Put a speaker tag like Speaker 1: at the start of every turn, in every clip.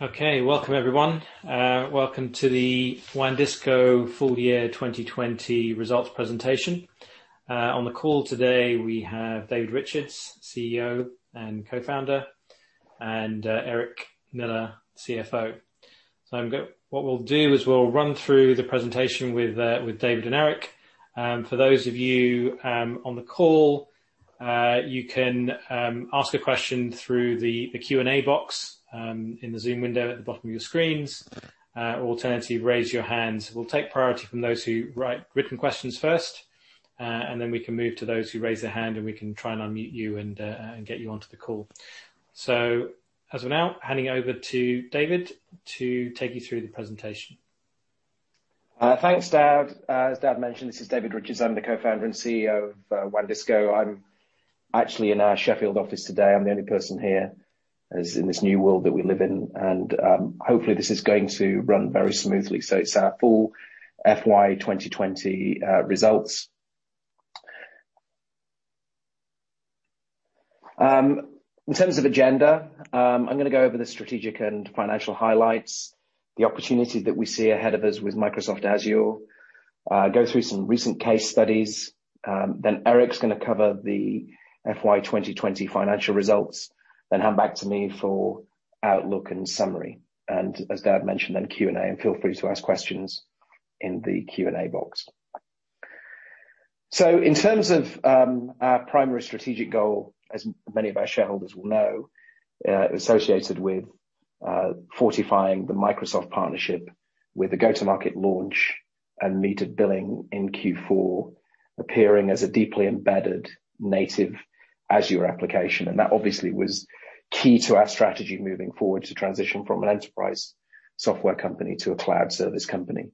Speaker 1: Okay. Welcome, everyone. Welcome to the WANdisco full-year 2020 results presentation. On the call today, we have David Richards, CEO and Co-Founder, and Erik Miller, CFO. What we'll do is we'll run through the presentation with David and Erik. For those of you on the call, you can ask a question through the Q&A box in the Zoom window at the bottom of your screens. Alternatively, raise your hands. We'll take priority from those who write written questions first, and then we can move to those who raise their hand, and we can try and unmute you and get you onto the call. As of now, handing over to David to take you through the presentation.
Speaker 2: Thanks, Daud. As Daud mentioned, this is David Richards. I'm the Co-Founder and CEO of WANdisco. I'm actually in our Sheffield office today. I'm the only person here, as in this new world that we live in. Hopefully this is going to run very smoothly. It's our full FY 2020 results. In terms of agenda, I'm going to go over the strategic and financial highlights, the opportunity that we see ahead of us with Microsoft Azure, go through some recent case studies. Erik's going to cover the FY 2020 financial results, then hand back to me for outlook and summary. As Daud mentioned, then Q&A, and feel free to ask questions in the Q&A box. In terms of our primary strategic goal, as many of our shareholders will know, associated with fortifying the Microsoft partnership with a go-to-market launch and metered billing in Q4, appearing as a deeply embedded native Azure application. That obviously was key to our strategy moving forward to transition from an enterprise software company to a cloud service company.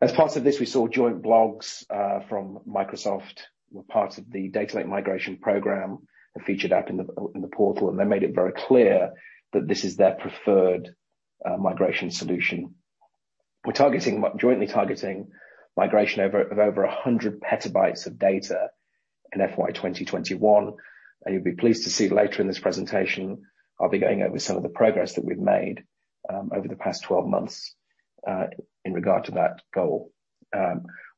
Speaker 2: As part of this, we saw joint blogs, from Microsoft, were part of the data lake migration program, a featured app in the portal, and they made it very clear that this is their preferred migration solution. We're jointly targeting migration of over 100 petabytes of data in FY 2021. You'll be pleased to see later in this presentation, I'll be going over some of the progress that we've made over the past 12 months, in regard to that goal.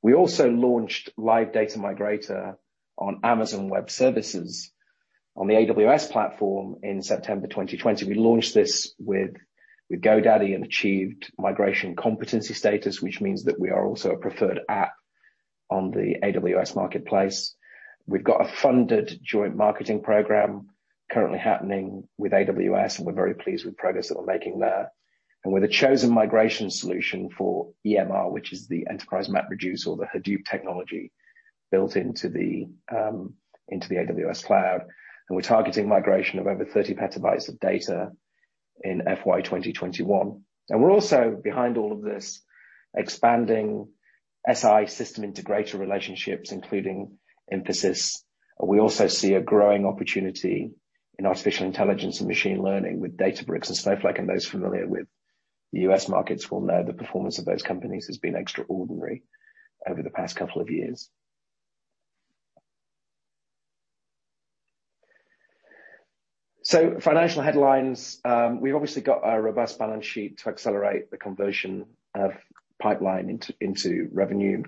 Speaker 2: We also launched LiveData Migrator on Amazon Web Services on the AWS platform in September 2020. We launched this with GoDaddy and achieved migration competency status, which means that we are also a preferred app on the AWS Marketplace. We've got a funded joint marketing program currently happening with AWS, and we're very pleased with the progress that we're making there. We're the chosen migration solution for EMR, which is the Enterprise MapReduce or the Hadoop technology built into the AWS cloud. We're targeting migration of over 30 petabytes of data in FY 2021. We're also, behind all of this, expanding SI system integrator relationships, including Mphasis. We also see a growing opportunity in artificial intelligence and machine learning with Databricks and Snowflake, and those familiar with the U.S. markets will know the performance of those companies has been extraordinary over the past couple of years. Financial headlines. We've obviously got a robust balance sheet to accelerate the conversion of pipeline into revenue.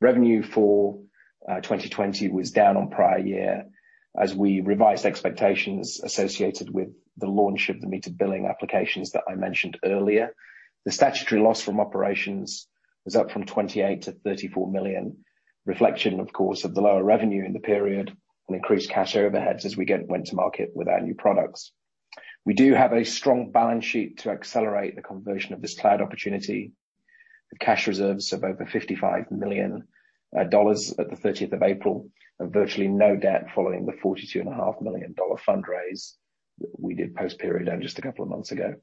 Speaker 2: Revenue for 2020 was down on prior year as we revised expectations associated with the launch of the metered billing applications that I mentioned earlier. The statutory loss from operations was up from 28 million-34 million. Reflection, of course, of the lower revenue in the period and increased cash overheads as we went to market with our new products. We do have a strong balance sheet to accelerate the conversion of this cloud opportunity. The cash reserves of over $55 million at the 30th of April, and virtually no debt following the $42.5 million fund raise we did post period end just a couple of months ago.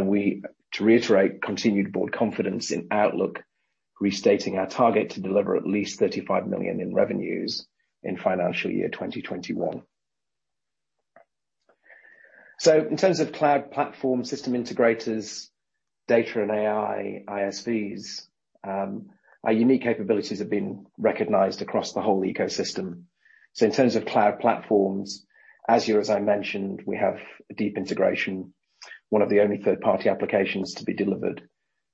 Speaker 2: We, to reiterate, continued broad confidence in outlook, restating our target to deliver at least 35 million in revenues in financial year 2021. In terms of cloud platform system integrators, data and AI ISVs, our unique capabilities have been recognized across the whole ecosystem. In terms of cloud platforms, Azure, as I mentioned, we have a deep integration, one of the only third-party applications to be delivered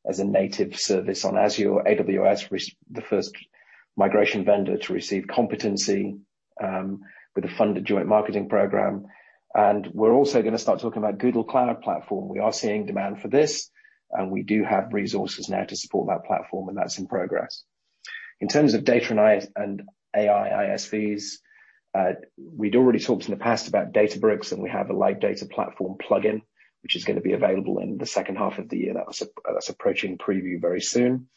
Speaker 2: as a native service on Azure. AWS was the first migration vendor to receive competency, with a funded joint marketing program. We're also going to start talking about Google Cloud Platform. We are seeing demand for this, and we do have resources now to support that platform, and that's in progress. In terms of data and AI ISVs, we'd already talked in the past about Databricks, and we have a LiveData Platform plugin, which is going to be available in the second half of the year. That's approaching preview very soon.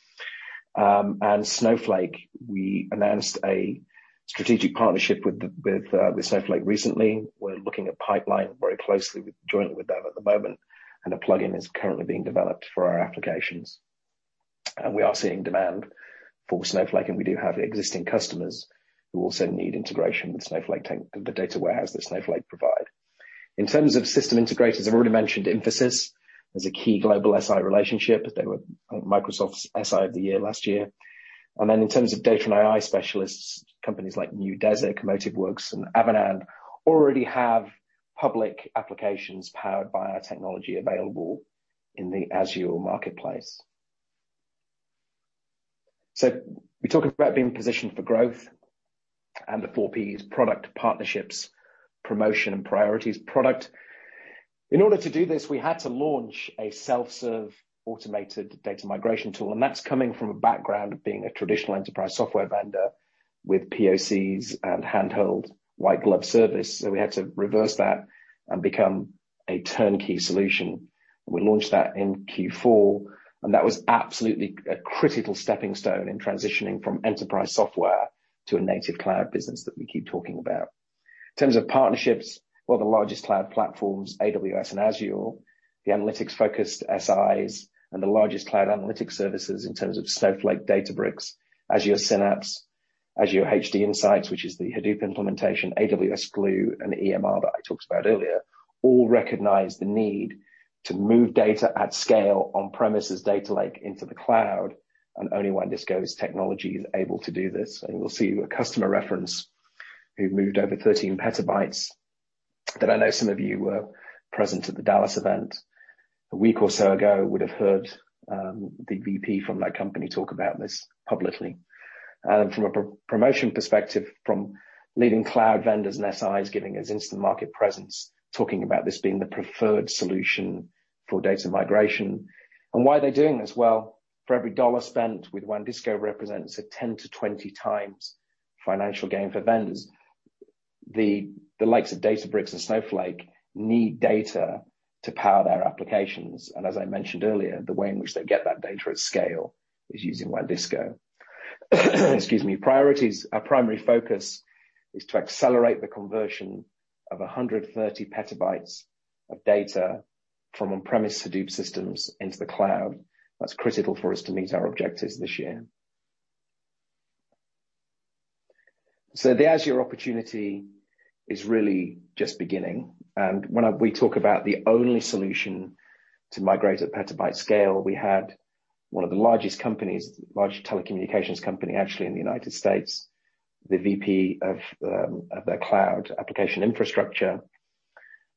Speaker 2: Snowflake, we announced a strategic partnership with Snowflake recently. We're looking at Pipeline very closely jointly with them at the moment, and a plugin is currently being developed for our applications. We are seeing demand for Snowflake, and we do have existing customers who also need integration with Snowflake, the data warehouse that Snowflake provide. In terms of system integrators, I've already mentioned Mphasis as a key global SI relationship. They were Microsoft's SI of the year last year. In terms of data and AI specialists, companies like Neudesic, MotiveWorks, and Avanade already have public applications powered by our technology available in the Azure Marketplace. We talk about being positioned for growth and the four P's, product, partnerships, promotion, and priorities. Product. In order to do this, we had to launch a self-serve automated data migration tool, and that's coming from a background of being a traditional enterprise software vendor with POCs and handheld white glove service. We had to reverse that and become a turnkey solution. We launched that in Q4, and that was absolutely a critical stepping stone in transitioning from enterprise software to a native cloud business that we keep talking about. In terms of partnerships, well, the largest cloud platforms, AWS and Azure, the analytics-focused SIs and the largest cloud analytics services in terms of Snowflake, Databricks, Azure Synapse, Azure HDInsight, which is the Hadoop implementation, AWS Glue and EMR that I talked about earlier, all recognize the need to move data at scale on-premises data lake into the cloud, and only WANdisco's technology is able to do this. You'll see a customer reference who moved over 13 petabytes, that I know some of you were present at the Dallas event a week or so ago, would have heard, the VP from that company talk about this publicly. From a promotion perspective, from leading cloud vendors and SIs giving us instant market presence, talking about this being the preferred solution for data migration. Why are they doing this? Well, for every dollars spent with WANdisco represents a 10x-20x financial gain for vendors. The likes of Databricks and Snowflake need data to power their applications. As I mentioned earlier, the way in which they get that data at scale is using WANdisco. Excuse me. Priorities. Our primary focus is to accelerate the conversion of 130 petabytes of data from on-premise Hadoop systems into the cloud. That's critical for us to meet our objectives this year. The Azure opportunity is really just beginning. When we talk about the only solution to migrate at petabyte scale, we had one of the largest companies, the largest telecommunications company, actually, in the U.S. The VP of their cloud application infrastructure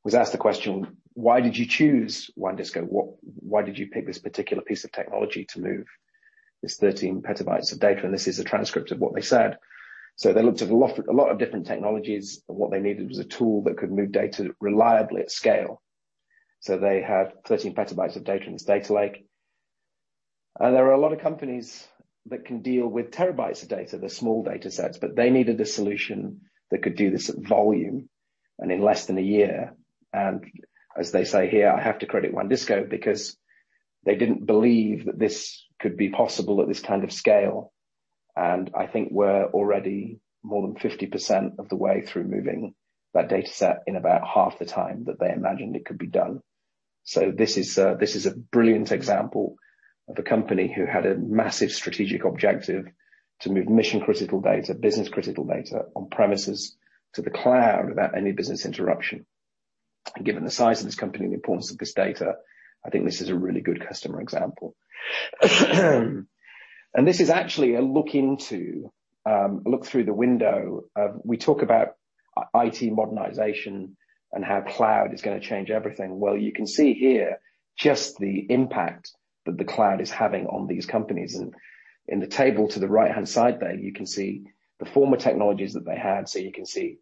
Speaker 2: was asked the question, "Why did you choose WANdisco? Why did you pick this particular piece of technology to move this 13 petabytes of data?" This is a transcript of what they said. They looked at a lot of different technologies. What they needed was a tool that could move data reliably at scale. They had 13 petabytes of data in this data lake. There are a lot of companies that can deal with terabytes of data, the small data sets, but they needed a solution that could do this at volume and in less than a year. As they say here, I have to credit WANdisco because they didn't believe that this could be possible at this kind of scale. I think we're already more than 50% of the way through moving that data set in about half the time that they imagined it could be done. This is a brilliant example of a company who had a massive strategic objective to move mission-critical data, business-critical data on-premises to the cloud without any business interruption. Given the size of this company and the importance of this data, I think this is a really good customer example. This is actually a look through the window. We talk about IT modernization and how cloud is going to change everything. You can see here just the impact that the cloud is having on these companies. In the table to the right-hand side there, you can see the former technologies that they had. You can see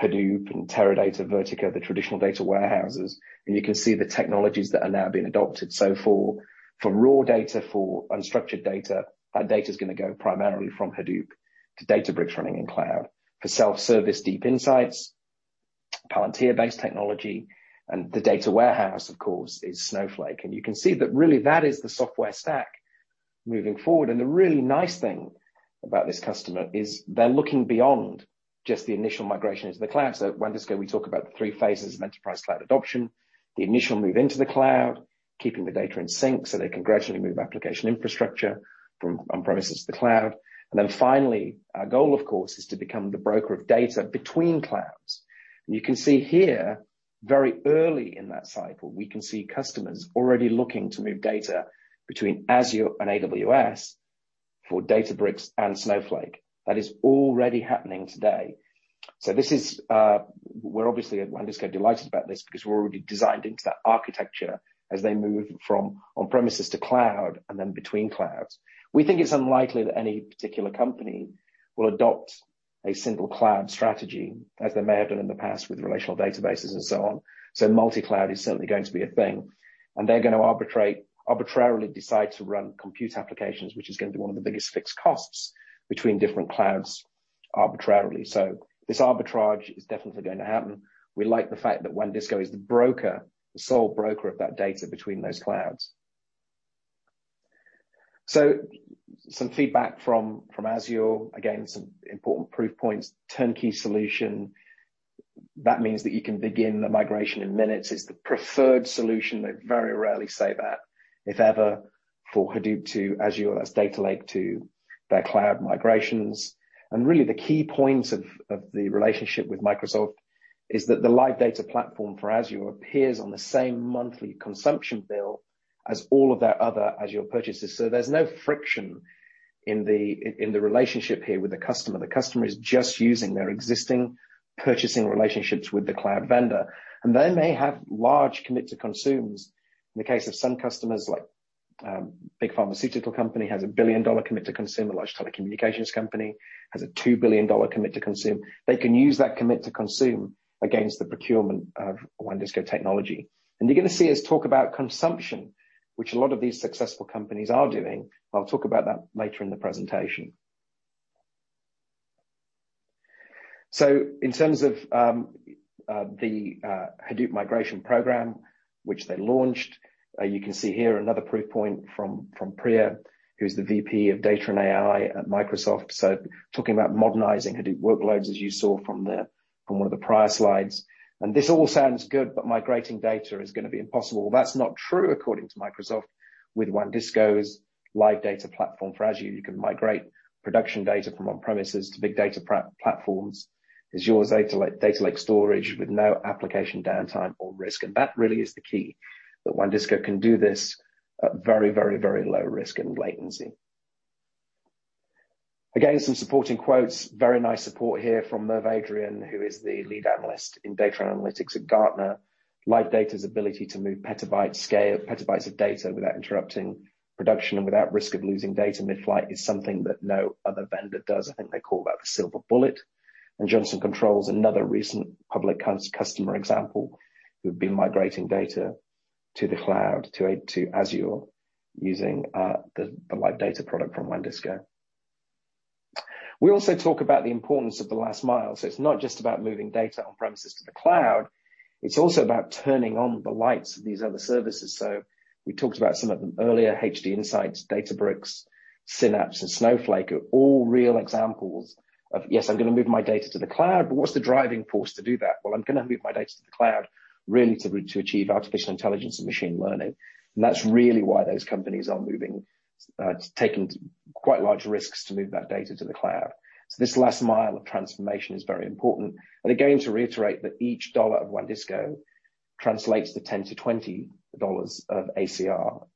Speaker 2: Hadoop and Teradata, Vertica, the traditional data warehouses, and you can see the technologies that are now being adopted. For raw data, for unstructured data, that data's going to go primarily from Hadoop to Databricks running in cloud. For self-service deep insights, Palantir-based technology, and the data warehouse, of course, is Snowflake. You can see that really that is the software stack moving forward. The really nice thing about this customer is they're looking beyond just the initial migration into the cloud. At WANdisco, we talk about the three phases of enterprise cloud adoption, the initial move into the cloud, keeping the data in sync so they can gradually move application infrastructure from on-premises to the cloud. Then finally, our goal, of course, is to become the broker of data between clouds. You can see here very early in that cycle, we can see customers already looking to move data between Azure and AWS for Databricks and Snowflake. That is already happening today. We're obviously at WANdisco delighted about this because we're already designed into that architecture as they move from on-premises to cloud and then between clouds. We think it's unlikely that any particular company will adopt a single cloud strategy, as they may have done in the past with relational databases and so on. Multi-cloud is certainly going to be a thing, and they're going to arbitrarily decide to run compute applications, which is going to be one of the biggest fixed costs between different clouds arbitrarily. This arbitrage is definitely going to happen. We like the fact that WANdisco is the broker, the sole broker of that data between those clouds. Some feedback from Azure. Again, some important proof points. Turnkey solution, that means that you can begin the migration in minutes. It's the preferred solution, they very rarely say that, if ever, for Hadoop to Azure, that's data lake to their cloud migrations. Really the key point of the relationship with Microsoft is that the LiveData Platform for Azure appears on the same monthly consumption bill as all of their other Azure purchases. There's no friction in the relationship here with the customer. The customer is just using their existing purchasing relationships with the cloud vendor, and they may have large commit to consumes. In the case of some customers like, big pharmaceutical company has $1 billion commit to consume, a large telecommunications company has a $2 billion commit to consume. They can use that commit to consume against the procurement of WANdisco technology. You're going to see us talk about consumption, which a lot of these successful companies are doing. I'll talk about that later in the presentation. In terms of the Hadoop migration program, which they launched, you can see here another proof point from Priya. Who's the VP of Data and AI at Microsoft. Talking about modernizing Hadoop workloads as you saw from one of the prior slides. This all sounds good, but migrating data is going to be impossible. That's not true, according to Microsoft. With WANdisco's LiveData Platform for Azure, you can migrate production data from on-premises to big data platforms, Azure Data Lake Storage with no application downtime or risk. That really is the key, that WANdisco can do this at very low risk and latency. Again, some supporting quotes. Very nice support here from Merv Adrian, who is the lead analyst in data analytics at Gartner. LiveData's ability to move petabytes of data without interrupting production and without risk of losing data mid-flight is something that no other vendor does. I think they call that the silver bullet. Johnson Controls, another recent public customer example, who've been migrating data to the cloud, to Azure using the LiveData product from WANdisco. We also talk about the importance of the last mile. It's not just about moving data on-premises to the cloud, it's also about turning on the lights of these other services. We talked about some of them earlier, HDInsight, Databricks, Synapse, and Snowflake are all real examples of, yes, I'm going to move my data to the cloud, but what's the driving force to do that? I'm going to move my data to the cloud really to achieve artificial intelligence and machine learning. That's really why those companies are taking quite large risks to move that data to the cloud. This last mile of transformation is very important. Again, to reiterate that each dollar of WANdisco translates to $10-$20 of ACR.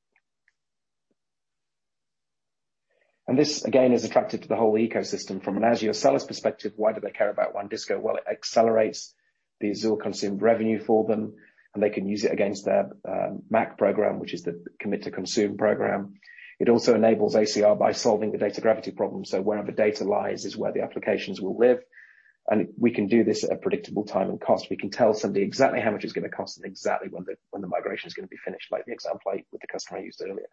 Speaker 2: This, again, is attractive to the whole ecosystem. From an Azure seller's perspective, why do they care about WANdisco? It accelerates the Azure consumed revenue for them, and they can use it against their MACC program, which is the commit to consume program. It also enables ACR by solving the data gravity problem. Wherever data lies is where the applications will live, and we can do this at a predictable time and cost. We can tell somebody exactly how much it's going to cost and exactly when the migration is going to be finished, like the example with the customer I used earlier.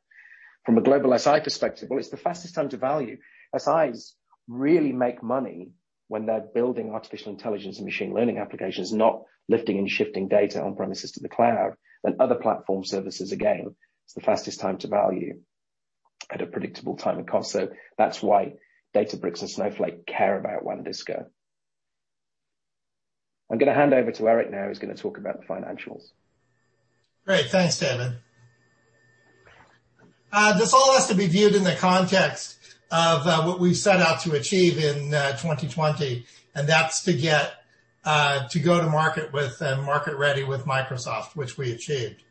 Speaker 2: From a global SI perspective, well, it's the fastest time to value. SIs really make money when they're building artificial intelligence and machine learning applications, not lifting and shifting data on-premises to the cloud and other platform services. Again, it's the fastest time to value at a predictable time and cost. That's why Databricks and Snowflake care about WANdisco. I'm going to hand over to Erik now, who's going to talk about the financials.
Speaker 3: Great. Thanks, David. This all has to be viewed in the context of what we set out to achieve in 2020, and that's to go to market with, and market ready with Microsoft, which we achieved.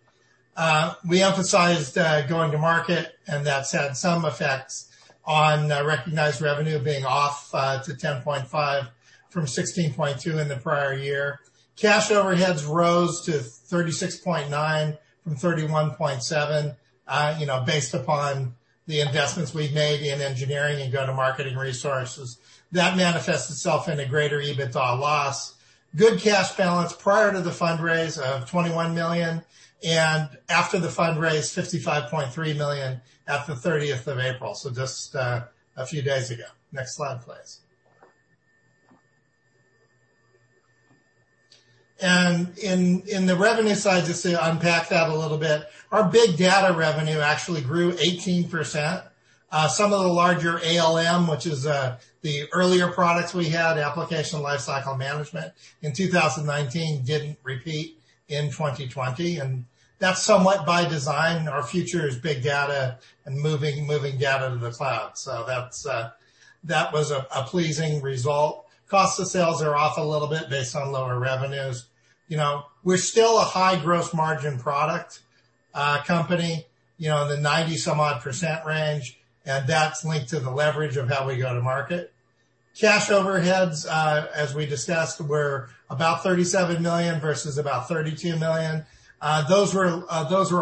Speaker 3: We emphasized going to market and that's had some effects on recognized revenue being off to $10.5 from $16.2 in the prior year. Cash overheads rose to $36.9 from $31.7, based upon the investments we've made in engineering and go-to-marketing resources. That manifests itself in a greater EBITDA loss. Good cash balance prior to the fundraise of $21 million, and after the fund raise, $55.3 million at the 30th of April. Just a few days ago. Next slide, please. In the revenue side, just to unpack that a little bit, our big data revenue actually grew 18%. Some of the larger ALM, which is the earlier products we had, Application Lifecycle Management, in 2019 didn't repeat in 2020, and that's somewhat by design. Our future is big data and moving data to the cloud. That was a pleasing result. Cost of sales are off a little bit based on lower revenues. We're still a high gross margin product company, in the 90 some odd percent range, and that's linked to the leverage of how we go to market. Cash overheads, as we discussed, were about $37 million versus about $32 million. Those were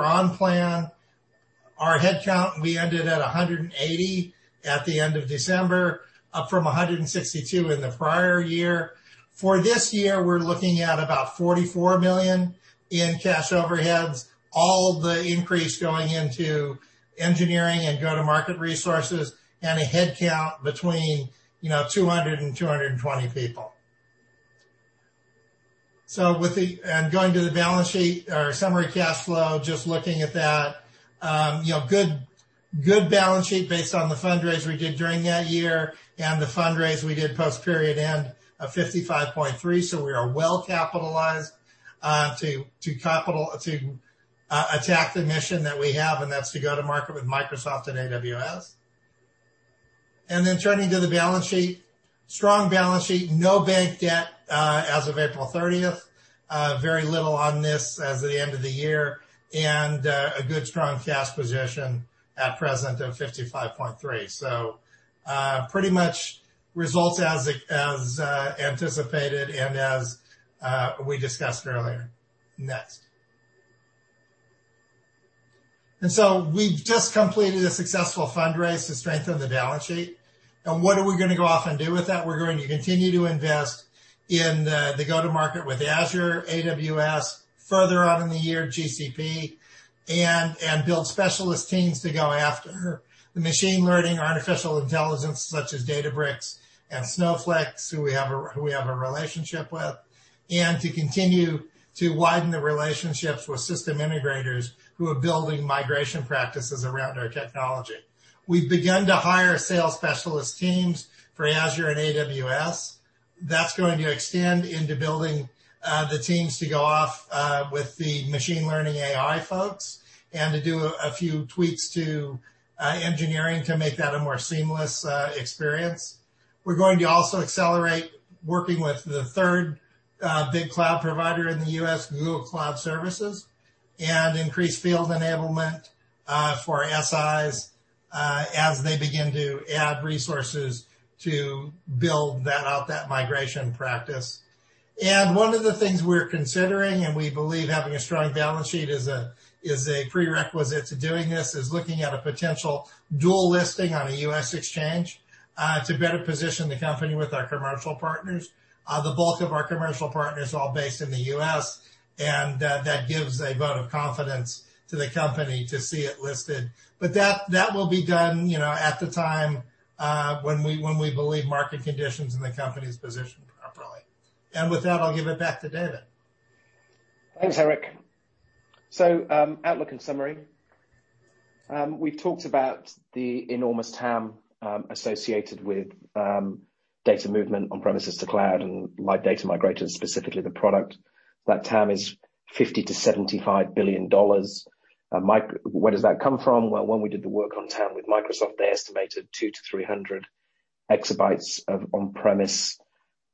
Speaker 3: on plan. Our headcount, we ended at 180 at the end of December, up from 162 in the prior year. For this year, we're looking at about $44 million in cash overheads, all the increase going into engineering and go-to-market resources, and a head count between 200 and 220 people. Going to the balance sheet or summary cash flow, just looking at that. Good balance sheet based on the fundraise we did during that year and the fundraise we did post-period end of $55.3 million. We are well capitalized to attack the mission that we have, and that's to go to market with Microsoft and AWS. Turning to the balance sheet. Strong balance sheet, no bank debt as of April 30th. Very little on this as of the end of the year. A good, strong cash position at present of $55.3 million. Pretty much results as anticipated and as we discussed earlier. Next. We've just completed a successful fundraise to strengthen the balance sheet. What are we going to go off and do with that? We're going to continue to invest in the go-to-market with Azure, AWS, further on in the year, GCP, and build specialist teams to go after the machine learning, artificial intelligence such as Databricks and Snowflake, who we have a relationship with. To continue to widen the relationships with system integrators who are building migration practices around our technology. We've begun to hire sales specialist teams for Azure and AWS. That's going to extend into building the teams to go off with the machine learning AI folks and to do a few tweaks to engineering to make that a more seamless experience. We're going to also accelerate working with the third big cloud provider in the U.S., Google Cloud Services, and increase field enablement for SIs as they begin to add resources to build that out, that migration practice. One of the things we're considering, and we believe having a strong balance sheet is a prerequisite to doing this, is looking at a potential dual listing on a U.S. exchange, to better position the company with our commercial partners. The bulk of our commercial partners are all based in the U.S. That gives a vote of confidence to the company to see it listed. That will be done at the time when we believe market conditions and the company's positioned properly. With that, I'll give it back to David.
Speaker 2: Thanks, Erik. Outlook and summary. We've talked about the enormous TAM associated with data movement on-premises to cloud and LiveData Migrator, specifically the product. That TAM is $50 billion-$75 billion. Where does that come from? When we did the work on TAM with Microsoft, they estimated 200 exabytes-300 exabytes of on-premise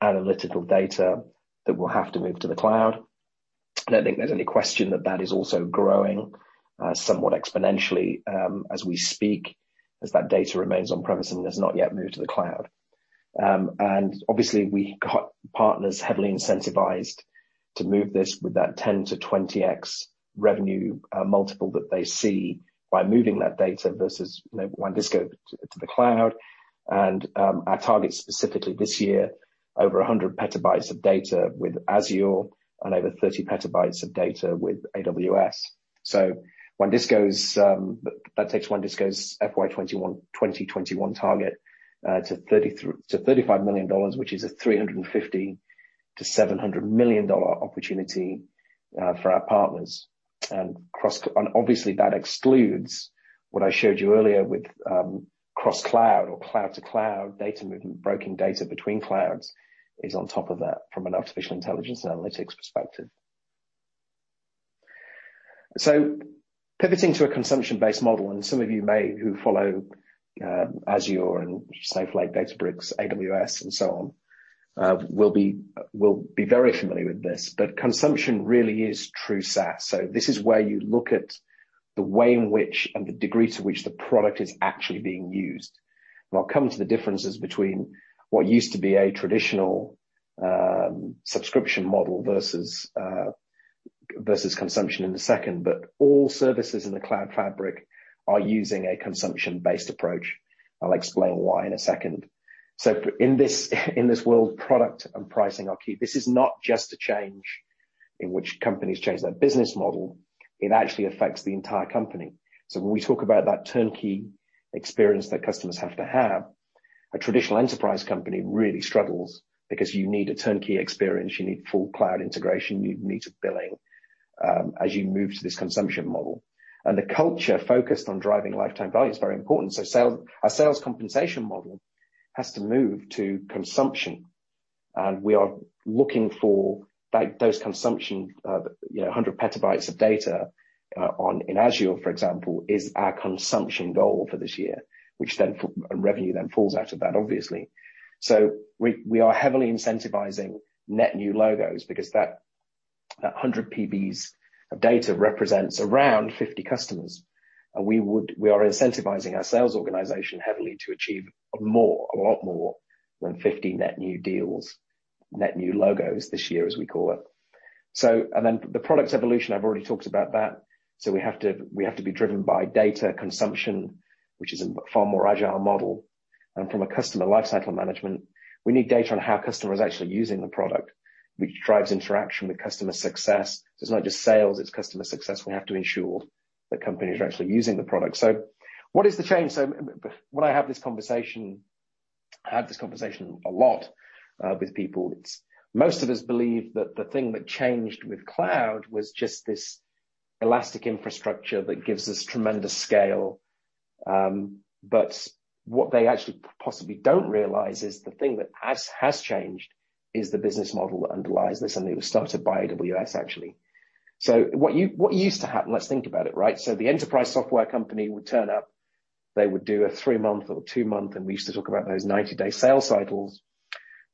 Speaker 2: analytical data that will have to move to the cloud. I don't think there's any question that that is also growing somewhat exponentially as we speak, as that data remains on-premise and has not yet moved to the cloud. Obviously we got partners heavily incentivized to move this with that 10x-20x revenue multiple that they see by moving that data versus WANdisco to the cloud. Our target specifically this year, over 100 petabytes of data with Azure and over 30 petabytes of data with AWS. That takes WANdisco's FY 2021 target to $35 million, which is a $350 million-$700 million opportunity for our partners. Obviously that excludes what I showed you earlier with cross-cloud or cloud-to-cloud data movement. Breaking data between clouds is on top of that from an artificial intelligence and analytics perspective. Pivoting to a consumption-based model, and some of you may who follow Azure and Snowflake, Databricks, AWS, and so on, will be very familiar with this. Consumption really is true SaaS. This is where you look at the way in which, and the degree to which the product is actually being used. I'll come to the differences between what used to be a traditional subscription model versus consumption in a second. All services in the cloud fabric are using a consumption-based approach. I'll explain why in a second. In this world, product and pricing are key. This is not just a change in which companies change their business model. It actually affects the entire company. When we talk about that turnkey experience that customers have to have, a traditional enterprise company really struggles because you need a turnkey experience, you need full cloud integration, you need billing, as you move to this consumption model. The culture focused on driving lifetime value is very important. Our sales compensation model has to move to consumption, and we are looking for those consumption, 100 petabytes of data, in Azure, for example, is our consumption goal for this year, and revenue then falls out of that obviously. We are heavily incentivizing net new logos because that 100 PBs of data represents around 50 customers. We are incentivizing our sales organization heavily to achieve more, a lot more than 50 net new logos this year, as we call it. The product evolution, I've already talked about that. We have to be driven by data consumption, which is a far more agile model. From a customer lifecycle management, we need data on how a customer is actually using the product, which drives interaction with customer success. It's not just sales, it's customer success. We have to ensure that companies are actually using the product. What is the change? When I have this conversation, I have this conversation a lot with people. Most of us believe that the thing that changed with cloud was just this elastic infrastructure that gives us tremendous scale. What they actually possibly don't realize is the thing that has changed is the business model that underlies this, and it was started by AWS, actually. What used to happen, let's think about it, right? The enterprise software company would turn up, they would do a three-month or two-month, and we used to talk about those 90-day sales cycles.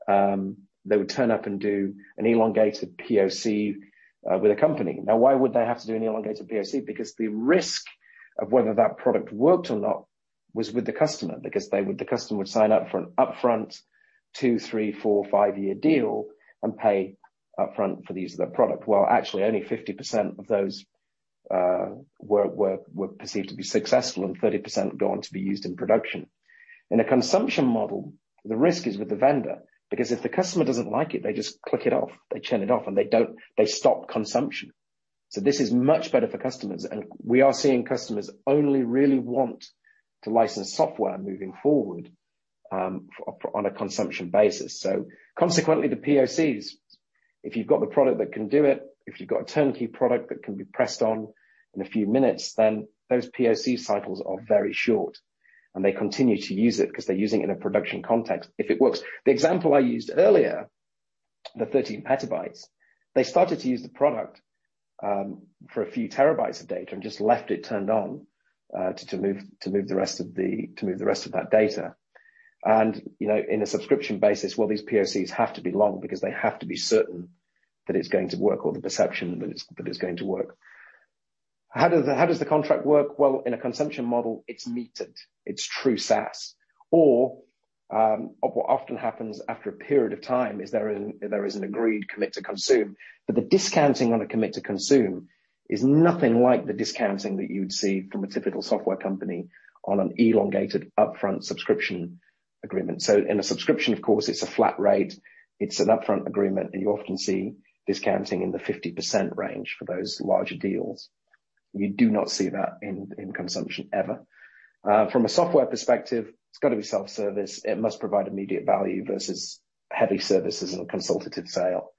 Speaker 2: They would turn up and do an elongated POC with a company. Now, why would they have to do an elongated POC? Because the risk of whether that product worked or not was with the customer, because the customer would sign up for an upfront two, three, four, five-year deal and pay upfront for the use of their product. While actually only 50% of those were perceived to be successful and 30% would go on to be used in production. In a consumption model, the risk is with the vendor, because if the customer doesn't like it, they just click it off, they turn it off and they stop consumption. This is much better for customers, and we are seeing customers only really want to license software moving forward on a consumption basis. Consequently, the POCs, if you've got the product that can do it, if you've got a turnkey product that can be pressed on in a few minutes, then those POC cycles are very short and they continue to use it because they're using it in a production context if it works. The example I used earlier, the 13 petabytes, they started to use the product for a few terabytes of data and just left it turned on to move the rest of that data. In a subscription basis, well, these POCs have to be long because they have to be certain that it's going to work or the perception that it's going to work. How does the contract work? Well, in a consumption model, it's metered. It's true SaaS. What often happens after a period of time is there is an agreed commit to consume, but the discounting on a commit to consume is nothing like the discounting that you would see from a typical software company on an elongated upfront subscription agreement. In a subscription, of course, it's a flat rate, it's an upfront agreement, and you often see discounting in the 50% range for those larger deals. You do not see that in consumption ever. From a software perspective, it's got to be self-service. It must provide immediate value versus heavy services and a consultative sale.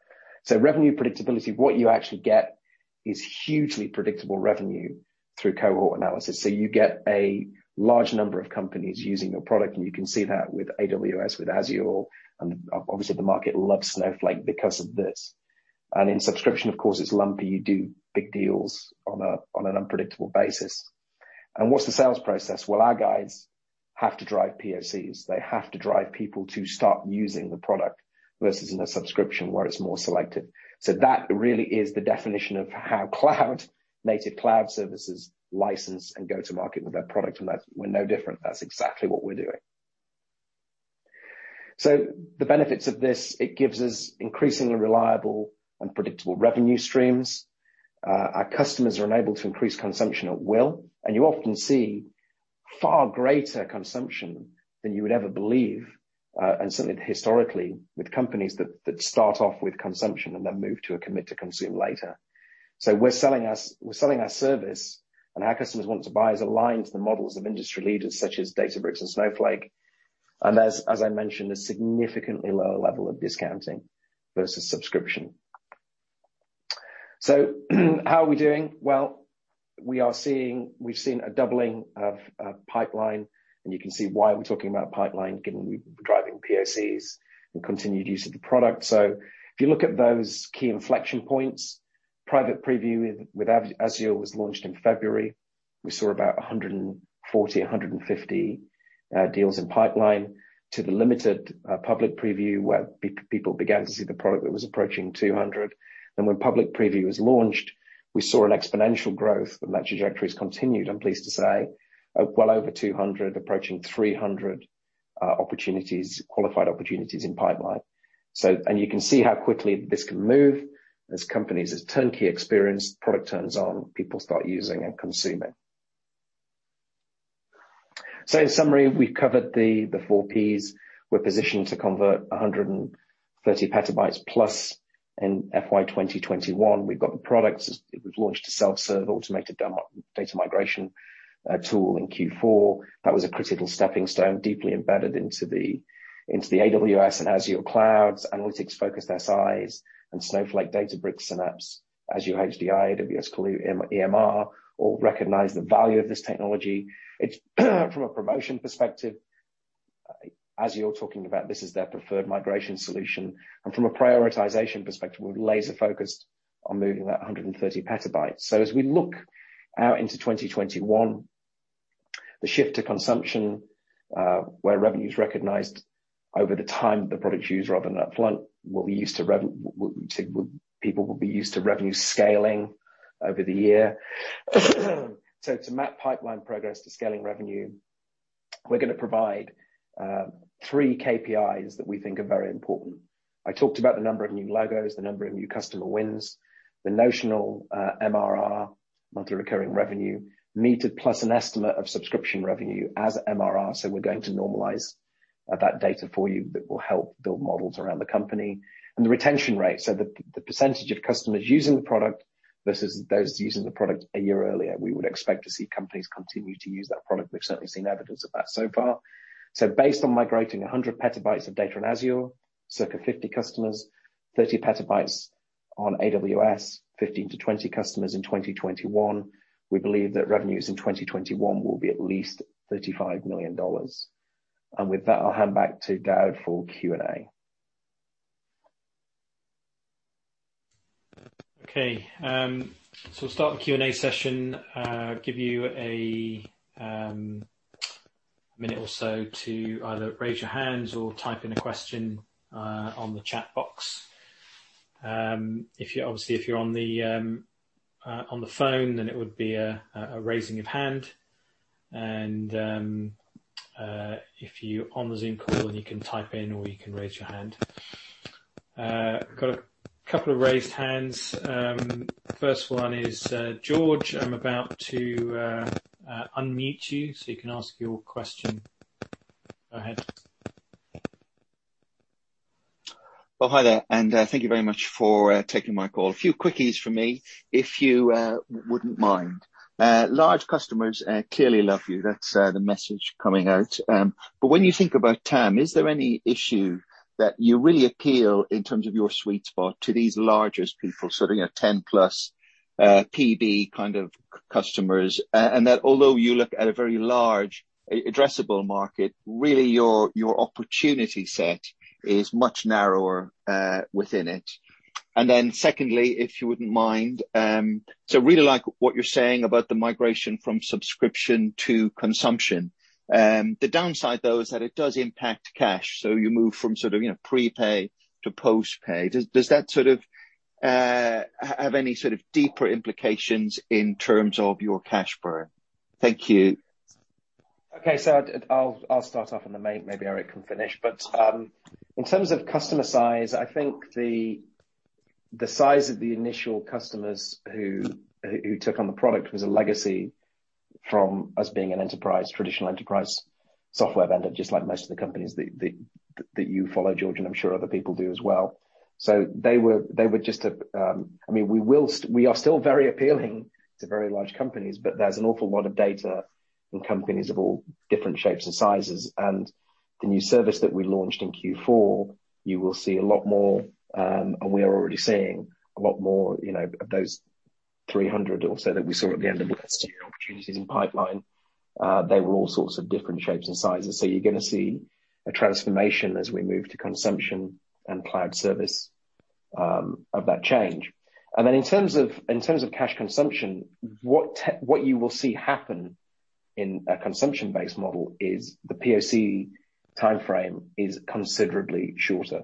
Speaker 2: Revenue predictability, what you actually get is hugely predictable revenue through cohort analysis. You get a large number of companies using your product, and you can see that with AWS, with Azure, and obviously the market loves Snowflake because of this. In subscription, of course, it's lumpy. You do big deals on an unpredictable basis. What's the sales process? Well, our guys have to drive POCs. They have to drive people to start using the product, versus in a subscription where it's more selective. That really is the definition of how cloud, native cloud services license and go to market with their product. We're no different. That's exactly what we're doing. The benefits of this, it gives us increasingly reliable and predictable revenue streams. Our customers are enabled to increase consumption at will, you often see far greater consumption than you would ever believe. Certainly historically, with companies that start off with consumption and then move to a commit to consume later. We're selling our service, and our customers want to buy is aligned to the models of industry leaders such as Databricks and Snowflake. As I mentioned, a significantly lower level of discounting versus subscription. How are we doing? Well, we've seen a doubling of pipeline, you can see why we're talking about pipeline, given we're driving POCs and continued use of the product. If you look at those key inflection points, private preview with Azure was launched in February. We saw about 140, 150 deals in pipeline to the limited public preview where people began to see the product that was approaching 200. When public preview was launched, we saw an exponential growth, and that trajectory's continued, I'm pleased to say. Well over 200, approaching 300 opportunities, qualified opportunities in pipeline. You can see how quickly this can move as companies, as turnkey experience, product turns on, people start using and consuming. In summary, we've covered the four Ps. We're positioned to convert 130 petabytes plus in FY 2021. We've got the products. We've launched a self-serve automated data migration tool in Q4. That was a critical stepping stone, deeply embedded into the AWS and Azure clouds, analytics-focused SIs, and Snowflake, Databricks, Synapse, Azure HDI, AWS EMR, all recognize the value of this technology. It's from a promotion perspective, Azure talking about this as their preferred migration solution. From a prioritization perspective, we're laser-focused on moving that 130 petabytes. As we look out into 2021, the shift to consumption, where revenue's recognized over the time that the product's used rather than upfront, people will be used to revenue scaling over the year. To map pipeline progress to scaling revenue. We're going to provide three KPIs that we think are very important. I talked about the number of new logos, the number of new customer wins, the notional MRR, monthly recurring revenue, metered plus an estimate of subscription revenue as MRR. We're going to normalize that data for you that will help build models around the company. The retention rate, so the percent of customers using the product versus those using the product a year earlier. We would expect to see companies continue to use that product. We've certainly seen evidence of that so far. Based on migrating 100 petabytes of data on Azure, circa 50 customers, 30 petabytes on AWS, 15-20 customers in 2021, we believe that revenues in 2021 will be at least $35 million. With that, I'll hand back to David Richards for Q&A.
Speaker 1: Okay. We'll start the Q&A session. Give you a minute or so to either raise your hands or type in a question on the chat box. If you're on the phone, then it would be a raising of hand. If you're on the Zoom call, then you can type in or you can raise your hand. Got a couple of raised hands. First one is George. I'm about to unmute you so you can ask your question. Go ahead.
Speaker 4: Well, hi there, thank you very much for taking my call. A few quickies from me, if you wouldn't mind. Large customers clearly love you. That's the message coming out. When you think about TAM, is there any issue that you really appeal in terms of your sweet spot to these larger people, sort of, 10+ PB kind of customers, and that although you look at a very large addressable market, really your opportunity set is much narrower within it. Secondly, if you wouldn't mind, really like what you're saying about the migration from subscription to consumption. The downside though is that it does impact cash. You move from prepay to postpaid. Does that have any sort of deeper implications in terms of your cash burn? Thank you.
Speaker 2: I'll start off and then maybe Erik can finish. In terms of customer size, I think the size of the initial customers who took on the product was a legacy from us being an enterprise, traditional enterprise software vendor, just like most of the companies that you follow, George, and I'm sure other people do as well. We are still very appealing to very large companies, but there's an awful lot of data in companies of all different shapes and sizes. The new service that we launched in Q4, you will see a lot more, and we are already seeing a lot more of those 300 or so that we saw at the end of last year, opportunities in pipeline. They were all sorts of different shapes and sizes. You're going to see a transformation as we move to consumption and cloud service of that change. In terms of cash consumption, what you will see happen in a consumption-based model is the POC timeframe is considerably shorter,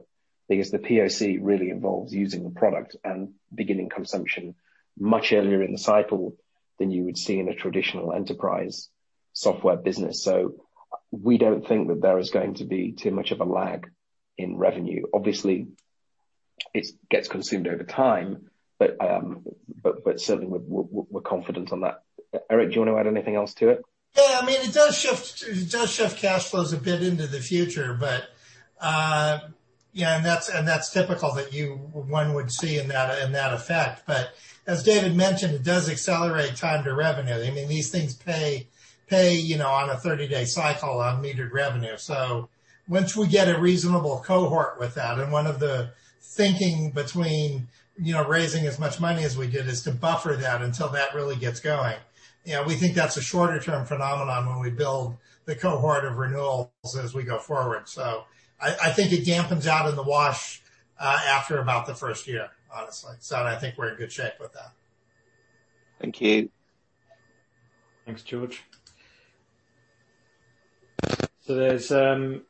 Speaker 2: because the POC really involves using the product and beginning consumption much earlier in the cycle than you would see in a traditional enterprise software business. We don't think that there is going to be too much of a lag in revenue. Obviously, it gets consumed over time, but certainly, we're confident on that. Erik, do you want to add anything else to it?
Speaker 3: It does shift cash flows a bit into the future. That's typical that one would see in that effect. As David mentioned, it does accelerate time to revenue. These things pay on a 30-day cycle on metered revenue. Once we get a reasonable cohort with that, one of the thinking between raising as much money as we did is to buffer that until that really gets going. We think that's a shorter-term phenomenon when we build the cohort of renewals as we go forward. I think it dampens out in the wash after about the first year, honestly. I think we're in good shape with that.
Speaker 4: Thank you.
Speaker 1: Thanks, George. There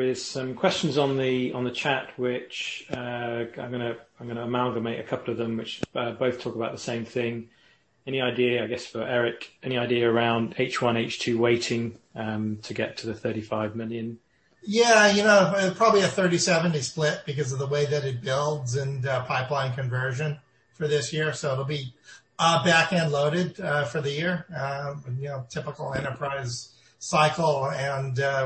Speaker 1: is some questions on the chat which I'm going to amalgamate a couple of them, which both talk about the same thing. Any idea, I guess, for Erik, any idea around H1, H2 weighting to get to the $35 million?
Speaker 3: Probably a 30/70 split because of the way that it builds and pipeline conversion for this year. It'll be back-end loaded for the year. Typical enterprise cycle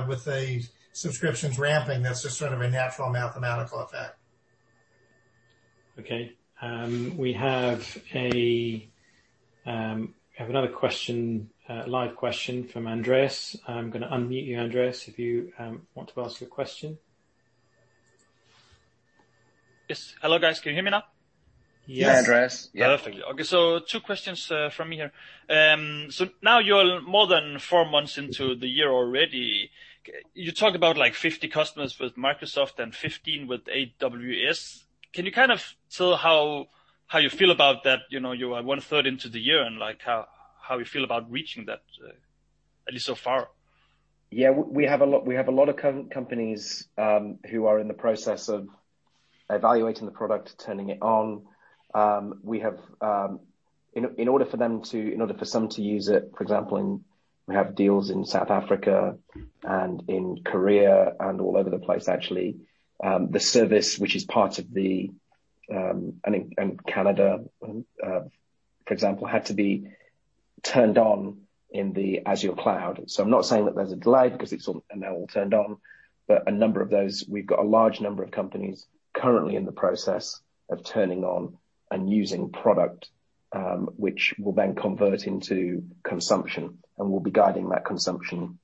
Speaker 3: with the subscriptions ramping, that's just sort of a natural mathematical effect.
Speaker 1: Okay. We have another question, live question from Andreas. I'm going to unmute you, Andreas, if you want to ask your question.
Speaker 5: Yes. Hello, guys. Can you hear me now?
Speaker 2: Yes.
Speaker 3: Yeah, Andreas.
Speaker 5: Perfectly. Okay, two questions from me here. Now you're more than four months into the year already. You talk about 50 customers with Microsoft and 15 with AWS. Can you kind of tell how you feel about that, you are 1/3 Into the year and how you feel about reaching that, at least so far?
Speaker 2: Yeah, we have a lot of current companies who are in the process of evaluating the product, turning it on. In order for some to use it, for example, we have deals in South Africa and in Korea and all over the place, actually. The service, and in Canada, for example, had to be turned on in the Azure cloud. I'm not saying that there's a delay because it's now all turned on, but a number of those, we've got a large number of companies currently in the process of turning on and using product, which will then convert into consumption, and we'll be guiding that consumption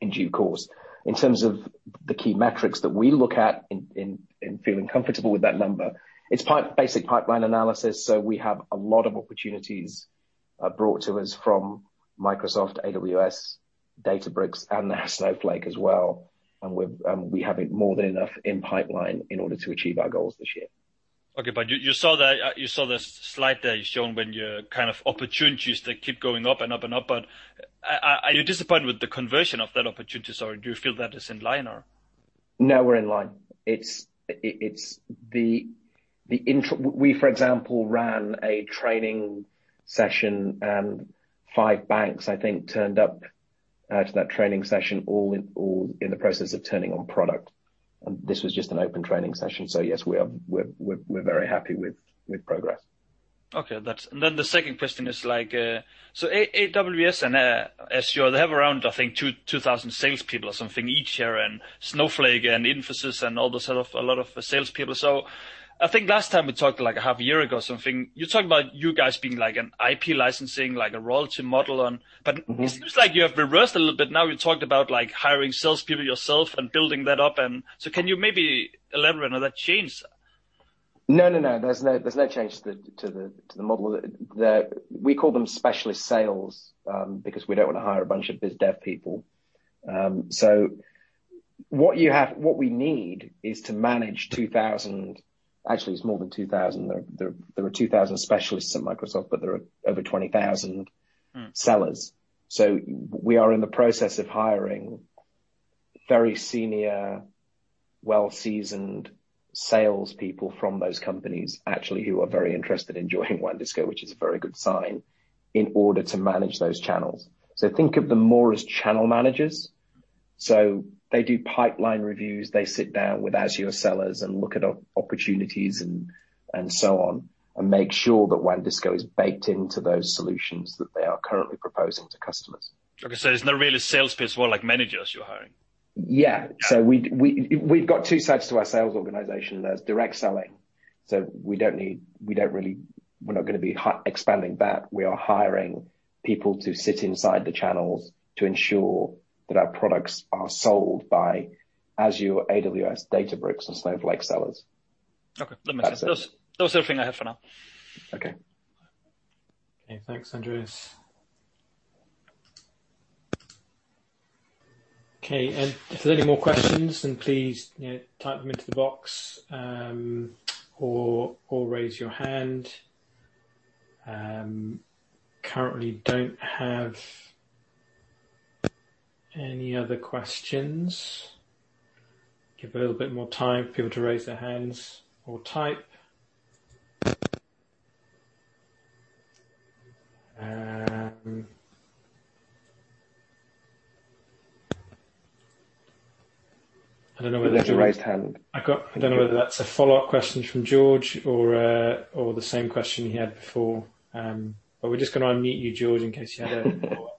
Speaker 2: in due course. In terms of the key metrics that we look at in feeling comfortable with that number, it's basic pipeline analysis. We have a lot of opportunities brought to us from Microsoft, AWS, Databricks, and now Snowflake as well, and we have more than enough in pipeline in order to achieve our goals this year.
Speaker 5: Okay. You saw the slide there you shown when your kind of opportunities that keep going up and up and up, are you disappointed with the conversion of that opportunity or do you feel that it's in line or?
Speaker 2: No, we're in line. We, for example, ran a training session and five banks, I think, turned up to that training session, all in the process of turning on product. This was just an open training session. Yes, we're very happy with progress.
Speaker 5: Okay. The second question is, AWS and Azure, they have around, I think, 2,000 salespeople or something each year. Snowflake and Infosys and all those have a lot of salespeople. I think last time we talked half a year ago or something, you talked about you guys being an IP licensing, like a royalty model on- It seems like you have reversed a little bit now you talked about hiring salespeople yourself and building that up. Can you maybe elaborate on that change?
Speaker 2: No. There's no change to the model. We call them specialist sales, because we don't want to hire a bunch of biz dev people. What we need is to manage 2,000, actually, it's more than 2,000. There are 2,000 specialists at Microsoft, but there are over 20,000 sellers. We are in the process of hiring very senior, well-seasoned salespeople from those companies, actually, who are very interested in joining WANdisco, which is a very good sign, in order to manage those channels. Think of them more as channel managers. They do pipeline reviews. They sit down with Azure sellers and look at opportunities and so on, and make sure that WANdisco is baked into those solutions that they are currently proposing to customers.
Speaker 5: Okay. It's not really salespeople, it's more like managers you're hiring.
Speaker 2: Yeah. We've got two sides to our sales organization. There's direct selling. We're not gonna be expanding that. We are hiring people to sit inside the channels to ensure that our products are sold by Azure, AWS, Databricks, and Snowflake sellers.
Speaker 5: Okay. That's everything I have for now.
Speaker 2: Okay.
Speaker 1: Okay. Thanks, Andreas. If there's any more questions, then please type them into the box, or raise your hand. Currently don't have any other questions. Give a little bit more time for people to raise their hands or type.
Speaker 2: There's a raised hand.
Speaker 1: I don't know whether that's a follow-up question from George or the same question he had before. We're just gonna unmute you, George, in case you had a follow-up.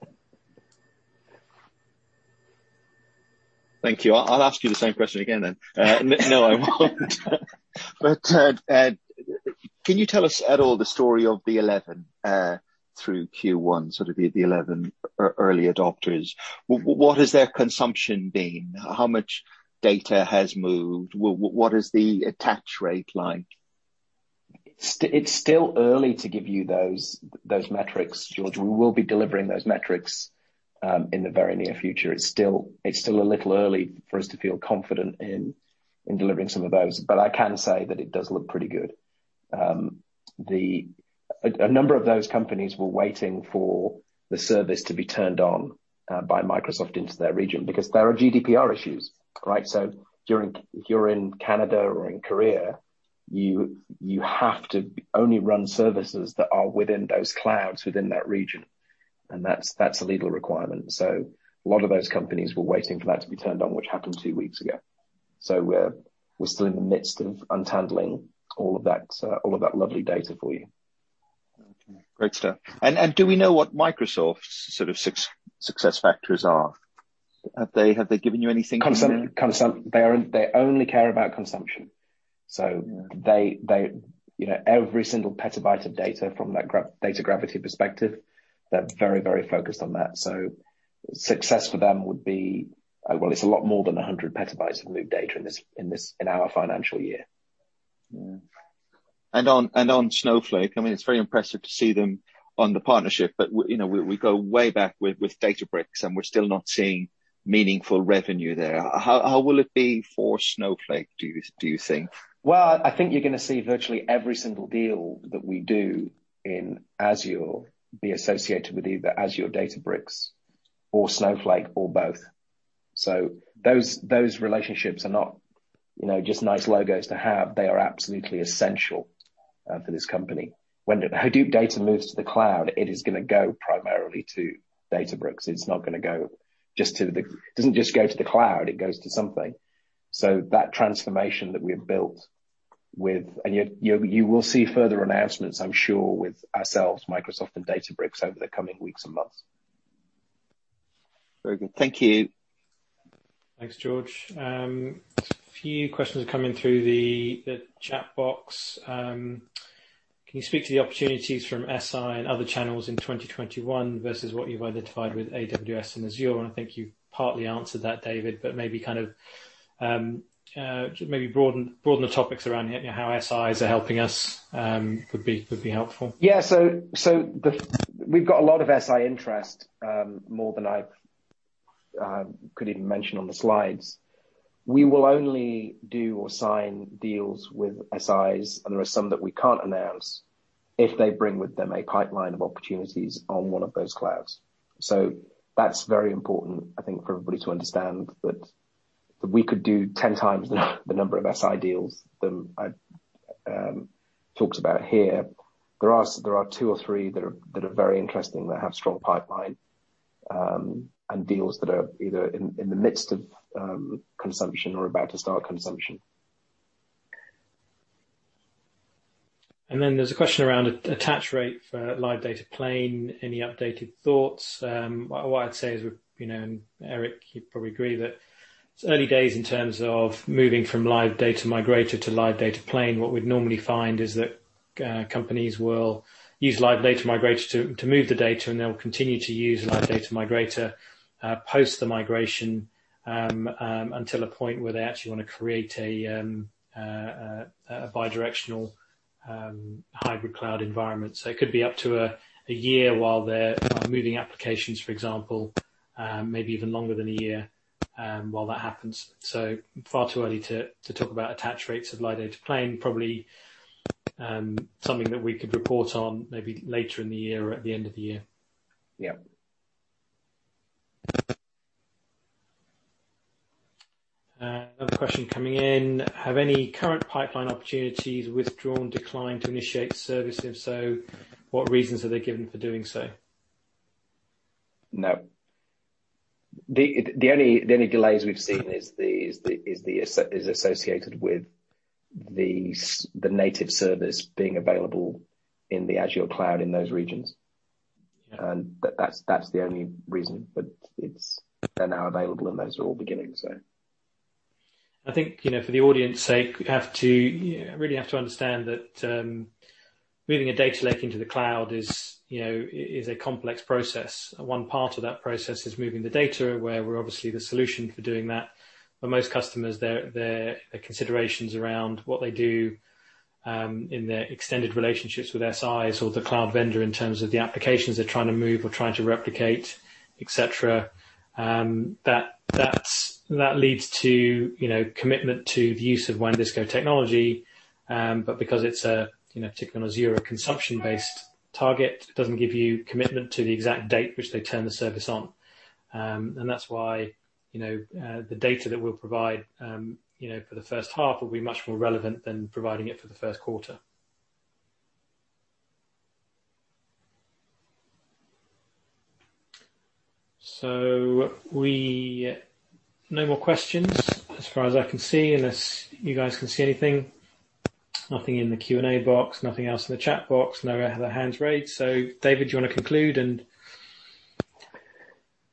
Speaker 4: Thank you. I'll ask you the same question again, then. No, I won't. Can you tell us at all the story of the 11 through Q1, sort of the 11 early adopters? What has their consumption been? How much data has moved? What is the attach rate like?
Speaker 2: It's still early to give you those metrics, George. We will be delivering those metrics in the very near future. It's still a little early for us to feel confident in delivering some of those. I can say that it does look pretty good. A number of those companies were waiting for the service to be turned on by Microsoft into their region, because there are GDPR issues, right? If you're in Canada or in Korea, you have to only run services that are within those clouds within that region, and that's a legal requirement. A lot of those companies were waiting for that to be turned on, which happened two weeks ago. We're still in the midst of untangling all of that lovely data for you.
Speaker 4: Okay. Great stuff. Do we know what Microsoft's sort of success factors are? Have they given you anything in there?
Speaker 2: They only care about consumption.
Speaker 4: Yeah.
Speaker 2: Every single petabyte of data from that data gravity perspective, they're very focused on that. Success for them would be, well, it's a lot more than 100 petabytes of moved data in our financial year.
Speaker 4: Yeah. On Snowflake, it's very impressive to see them on the partnership, but we go way back with Databricks, and we're still not seeing meaningful revenue there. How will it be for Snowflake, do you think?
Speaker 2: I think you're going to see virtually every single deal that we do in Azure be associated with either Azure, Databricks or Snowflake or both. Those relationships are not just nice logos to have, they are absolutely essential for this company. When the Hadoop data moves to the cloud, it is going to go primarily to Databricks. It doesn't just go to the cloud, it goes to something. You will see further announcements, I'm sure, with ourselves, Microsoft and Databricks over the coming weeks and months.
Speaker 4: Very good. Thank you.
Speaker 1: Thanks, George. A few questions are coming through the chat box. Can you speak to the opportunities from SI and other channels in 2021 versus what you've identified with AWS and Azure? I think you've partly answered that, David, but maybe broaden the topics around how SIs are helping us would be helpful.
Speaker 2: Yeah. We've got a lot of SI interest, more than I could even mention on the slides. We will only do or sign deals with SIs, and there are some that we can't announce, if they bring with them a pipeline of opportunities on one of those clouds. That's very important, I think, for everybody to understand that we could do 10 times the number of SI deals than I talked about here. There are two or three that are very interesting, that have strong pipeline, and deals that are either in the midst of consumption or about to start consumption.
Speaker 1: There's a question around attach rate for LiveData Plane. Any updated thoughts? What I'd say is, Erik, you'd probably agree, that it's early days in terms of moving from LiveData Migrator to LiveData Plane. What we'd normally find is that companies will use LiveData Migrator to move the data, and they'll continue to use LiveData Migrator post the migration, until a point where they actually want to create a bi-directional hybrid cloud environment. It could be up to a year while they're moving applications, for example, maybe even longer than a year while that happens. Far too early to talk about attach rates of LiveData Plane. Probably something that we could report on maybe later in the year or at the end of the year.
Speaker 2: Yeah.
Speaker 1: Another question coming in. Have any current pipeline opportunities withdrawn, declined to initiate service? If so, what reasons are they giving for doing so?
Speaker 2: No. The only delays we've seen is associated with the native service being available in the Azure cloud in those regions.
Speaker 1: Yeah.
Speaker 2: That's the only reason. They're now available, and those are all beginning, so.
Speaker 1: I think, for the audience sake, you really have to understand that moving a data lake into the cloud is a complex process. One part of that process is moving the data, where we're obviously the solution for doing that. For most customers, their considerations around what they do in their extended relationships with SIs or the cloud vendor in terms of the applications they're trying to move or trying to replicate, et cetera, that leads to commitment to the use of WANdisco technology. Because it's a, particularly on Azure, a consumption-based target, it doesn't give you commitment to the exact date which they turn the service on. That's why the data that we'll provide for the first half will be much more relevant than providing it for the first quarter. No more questions as far as I can see, unless you guys can see anything. Nothing in the Q&A box, nothing else in the chat box, no other hands raised. David, do you want to conclude and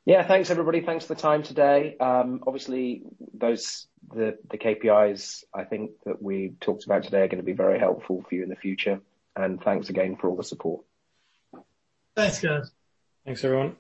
Speaker 2: Yeah. Thanks, everybody. Thanks for the time today. Obviously, the KPIs I think that we talked about today are going to be very helpful for you in the future. Thanks again for all the support.
Speaker 3: Thanks, guys.
Speaker 1: Thanks, everyone.